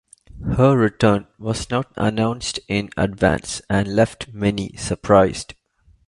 Her return was not announced in advance and left many surprised.